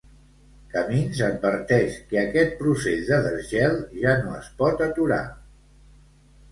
Camins adverteix que aquest procés de desgel ja no es pot aturar.